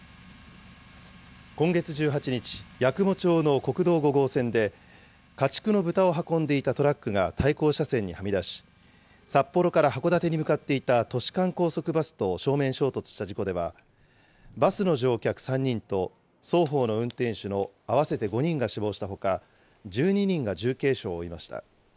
今月１８日、八雲町の国道５号線で、家畜の豚を運んでいたトラックが対向車線にはみ出し、札幌から函館に向かっていた都市間高速バスと正面衝突した事故では、バスの乗客３人と双方の運転手の合わせて５人が死亡したほか、１２人が重軽傷を負いました。